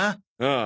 ああ。